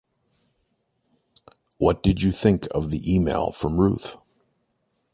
What did you think of the email from Ruth?